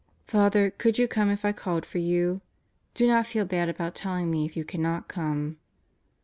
... Father, could you come if I called for you? Do not feel bad about telling me if you cannot come.